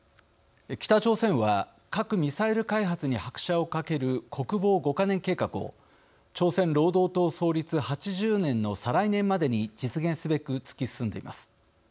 北朝鮮は核・ミサイル開発に拍車をかける国防５か年計画を朝鮮労働党創立８０年の再来年までに実現すべく突き進んでいます。